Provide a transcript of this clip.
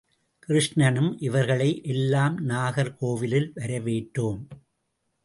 கிருஷ்ணனும் இவர்களை எல்லாம் நாகர் கோவிலில் வரவேற்றோம்.